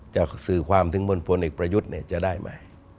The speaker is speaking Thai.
จะสื่อความถึงบนพลเอกประยุทธ์จะได้ไหม